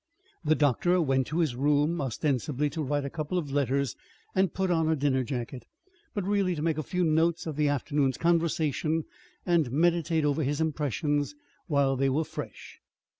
The doctor went to his room, ostensibly to write a couple of letters and put on a dinner jacket, but really to make a few notes of the afternoon's conversation and meditate over his impressions while they were fresh.